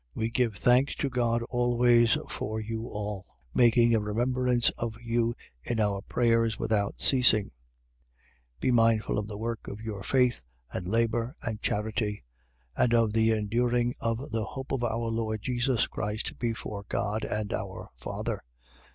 We give thanks to God always for you all: making a remembrance of you in our prayers without ceasing, 1:3. Being mindful of the work of your faith and labour and charity: and of the enduring of the hope of our Lord Jesus Christ before God and our Father.